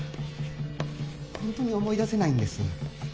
本当に思い出せないんです。